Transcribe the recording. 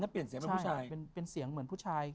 เปลี่ยนเสียงเหมือนผู้ชาย